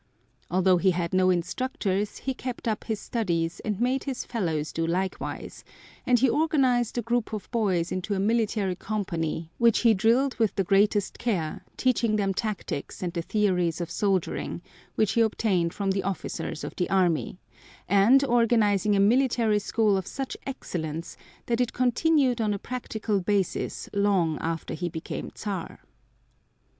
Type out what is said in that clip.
Although he had no instructors he kept up his studies and made his fellows do likewise, and he organized the group of boys into a military company which he drilled with the greatest care, teaching them tactics and the theories of soldiering, which he obtained from the officers of the army, and organizing a military school of such excellence that it continued on a practical basis long after he became Czar.